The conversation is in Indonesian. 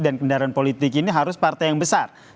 kendaraan politik ini harus partai yang besar